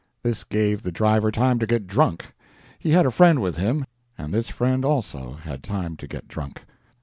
This gave the driver time to get drunk. He had a friend with him, and this friend also had had time to get drunk.